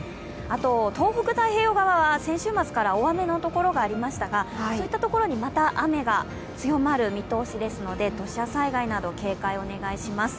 あと東北、太平洋側は先週末から大雨のところがありましたがそういったところにまた雨が強まる見通しですので、土砂災害など警戒をお願いします。